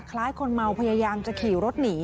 คล้ายคนเมาพยายามจะขี่รถหนี